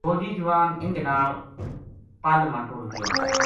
فوجی جوان اِنھ کے نال پل ما ٹُر گیا